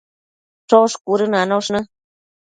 Chosh cuëdënanosh në